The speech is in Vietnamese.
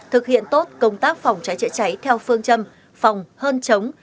thực hiện tốt công tác phòng cháy chữa cháy theo phương châm phòng hơn chống